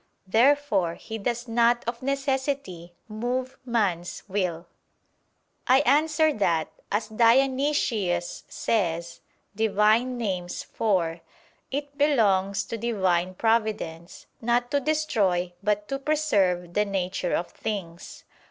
Therefore He does not of necessity move man's will. I answer that, As Dionysius says (Div. Nom. iv) "it belongs to Divine providence, not to destroy but to preserve the nature of things."